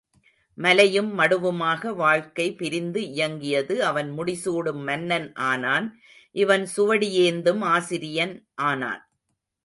மலையும் மடுவுமாக வாழ்க்கை பிரிந்து இயங்கியது அவன் முடிசூடும் மன்னன் ஆனான் இவன் சுவடி ஏந்தும் ஆசிரியன் ஆனான்.